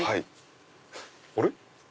あれ？